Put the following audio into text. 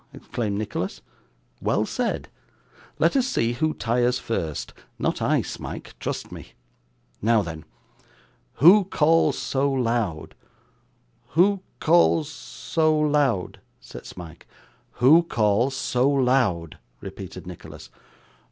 exclaimed Nicholas. 'Well said. Let us see who tires first. Not I, Smike, trust me. Now then. Who calls so loud?' '"Who calls so loud?"' said Smike. '"Who calls so loud?"' repeated Nicholas.